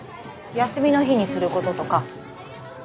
休みの日にすることとか。